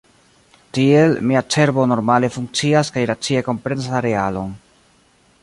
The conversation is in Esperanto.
Tiel, mia cerbo normale funkcias kaj racie komprenas la realon.